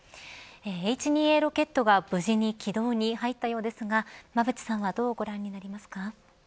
Ｈ２Ａロケットが無事に軌道に入ったようですが馬渕さんはどうご覧になりますか。